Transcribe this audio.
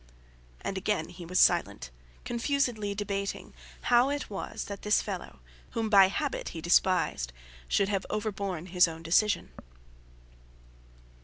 And again he was silent, confusedly debating how it was that this fellow, whom by habit he despised, should have overborne his own decision.